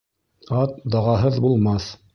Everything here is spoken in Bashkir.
Ат дағаһыҙ булмаҫ